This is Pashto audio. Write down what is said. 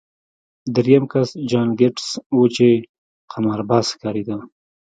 درېیم کس جان ګیټس و چې قمارباز ښکارېده